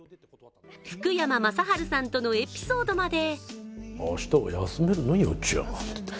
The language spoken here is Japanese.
福山雅治さんとのエピソードまで。